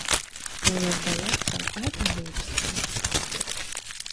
Мне здаецца, гэта глупства.